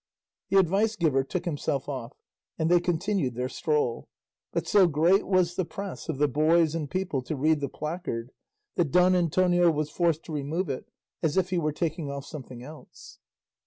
The advice giver took himself off, and they continued their stroll; but so great was the press of the boys and people to read the placard, that Don Antonio was forced to remove it as if he were taking off something else.